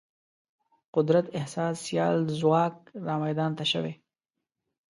قدرت احساس سیال ځواک رامیدان ته شوی.